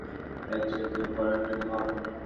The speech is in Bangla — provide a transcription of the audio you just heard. এর চেয়ে তুমি বরং একটু ঘুমাও।